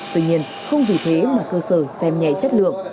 tuy nhiên không vì thế mà cơ sở xem nhẹ chất lượng